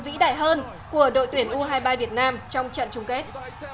vĩ đại hơn của đội tuyển u hai mươi ba việt nam trong trận chung kết